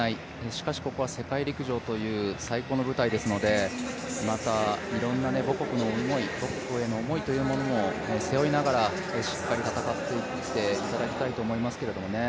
しかし、ここは世界陸上という最高の舞台ですのでまたいろんな母国への思いというものも背負いながらしっかり戦っていっていただきたいと思いますけどね。